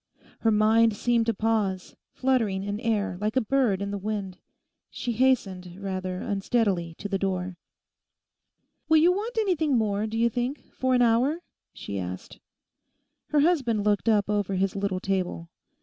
Her mind seemed to pause, fluttering in air, like a bird in the wind. She hastened rather unsteadily to the door. 'Will you want anything more, do you think, for an hour?' she asked. Her husband looked up over his little table.